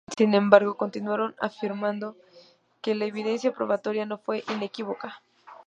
Sin embargo, continuaron afirmando que "la evidencia probatoria no fue inequívoca".